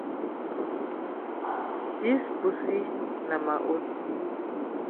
Dis pussy na ma own.